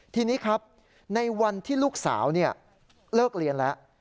ทีนี้ครับในวันที่ลูกสาวเลิกเรียนแล้ว